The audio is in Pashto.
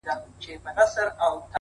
نه یې مال نه یې دولت وي ورته پاته-